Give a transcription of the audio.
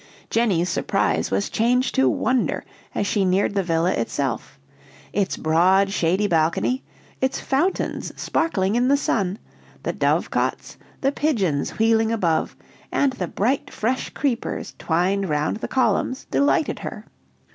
Jenny's surprise was changed to wonder as she neared the villa itself its broad, shady balcony, its fountains sparkling in the sun, the dovecots, the pigeons wheeling above, and the bright, fresh creepers twined round the columns, delighted her.